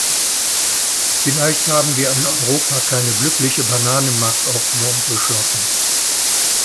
Vielleicht haben wir in Europa keine glückliche Bananenmarktordnung beschlossen.